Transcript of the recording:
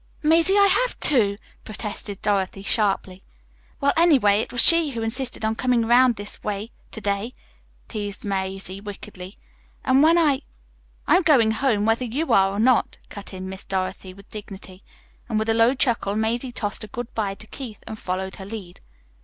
"Mazie, I have, too," protested Dorothy sharply. "Well, anyway, it was she who insisted on coming around this way to day," teased Mazie wickedly; "and when I " "I'm going home, whether you are or not," cut in Miss Dorothy, with dignity. And with a low chuckle Mazie tossed a good bye to Keith and followed her lead.